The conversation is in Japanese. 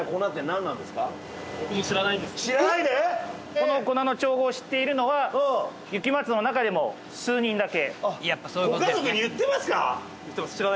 この粉の調合を知っているのは雪松の中でも数人だけ。